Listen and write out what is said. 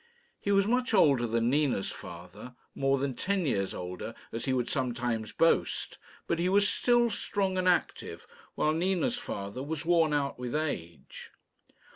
He was much older than Nina's father more than ten years older, as he would sometimes boast; but he was still strong and active, while Nina's father was worn out with age.